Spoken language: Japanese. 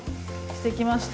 してきました。